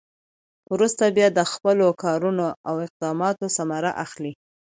وروسته به د خپلو کارونو او اقداماتو ثمره اخلي.